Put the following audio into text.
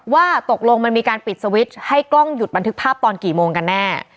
ว่าตกลงมันมีการปิดสวิตช์ให้กล้องหยุดบันทึกภาพตอนกี่โมงกันแน่